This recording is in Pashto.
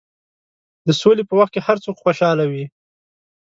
د سولې په وخت کې هر څوک خوشحاله وي.